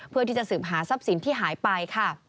เพื่อที่จะสืบหาทรัพย์สินที่หายไปค่ะ